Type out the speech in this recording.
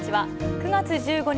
９月１５日